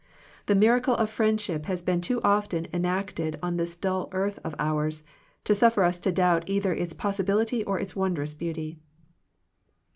The miracle of friendship has been too often enacted on this dull earth of ours, to suf* fer us to doubt either its possibility or its wondrous beauty.